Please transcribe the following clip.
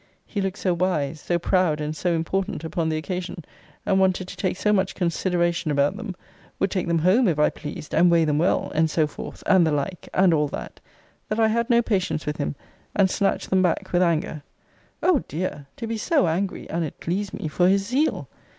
He looked so wise, so proud, and so important, upon the occasion; and wanted to take so much consideration about them Would take them home if I pleased and weigh them well and so forth and the like and all that that I had no patience with him, and snatched them back with anger. O dear! to be so angry, an't please me, for his zeal!